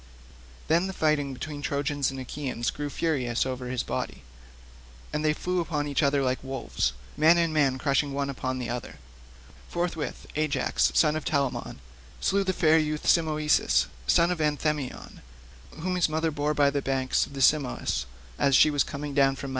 Then the fight between Trojans and Achaeans grew furious over his body, and they flew upon each other like wolves, man and man crushing one upon the other. Forthwith Ajax, son of Telamon, slew the fair youth Simoeisius, son of Anthemion, whom his mother bore by the banks of the Simois, as she was coming down from Mt.